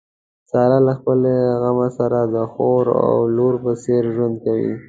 ساره له خپلې عمه سره د خور او لور په څېر ژوند کوي.